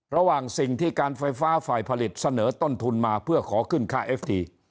ระหว่างสิ่งที่การไฟฟ้าฝ่ายผลิตเสนอต้นทุนมาเพื่อขอขึ้นค่าเอฟที